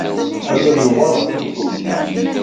Tḥemmel Newwara timseḍṣa.